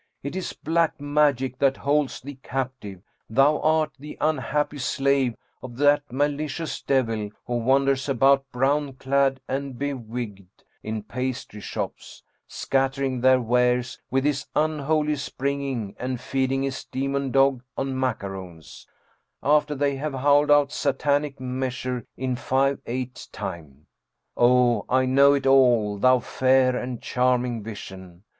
It is black magic that holds thee captive thou art the unhappy slave of that malicious devil who wanders about brown clad and bewigged in pastry shops, scattering their wares with his unholy springing, and feeding his demon dog on macaroons, after they have howled out a Satanic measure in five eight time. Oh, I know it all, thou fair and charming vision.